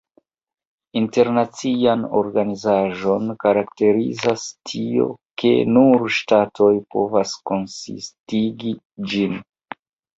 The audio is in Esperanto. Internacian organizaĵon karakterizas tio, ke "nur ŝtatoj povas konsistigi ĝin".